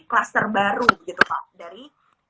cluster baru gitu pak dari